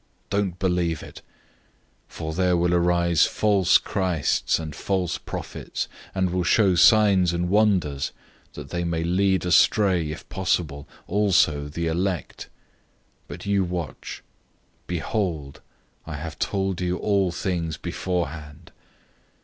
don't believe it. 013:022 For there will arise false christs and false prophets, and will show signs and wonders, that they may lead astray, if possible, even the chosen ones. 013:023 But you watch. "Behold, I have told you all things beforehand.